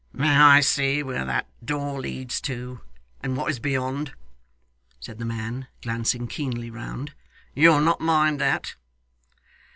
'May I see where that door leads to, and what is beyond?' said the man, glancing keenly round. 'You will not mind that?